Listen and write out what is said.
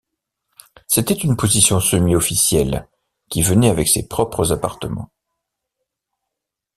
C'était une position semi-officielle qui venait avec ses propres appartements.